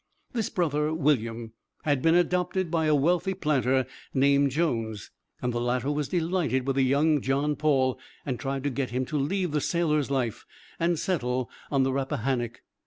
This brother William had been adopted by a wealthy planter named Jones, and the latter was delighted with the young John Paul, and tried to get him to leave the sailor's life and settle on the Rappahannock.